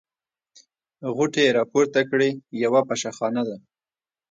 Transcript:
غوټې يې راپورته کړې: یوه پشه خانه ده.